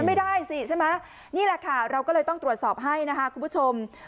ไม่ได้สิใช่ไหมนี่แหละค่ะเราก็เลยต้องตรวจสอบให้นะคะคุณผู้ชม